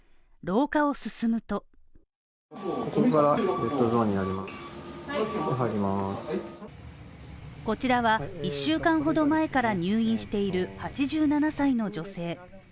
廊下を進むとこちらは１週間ほど前から入院している８７歳の女性。